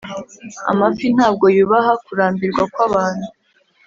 amafi ntabwo yubaha kurambirwa kwabantu,